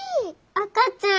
赤ちゃん！